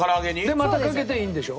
でまたかけていいんでしょ？